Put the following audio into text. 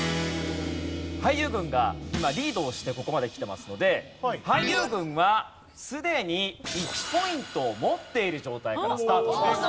俳優軍が今リードをしてここまできてますので俳優軍はすでに１ポイントを持っている状態からスタートします。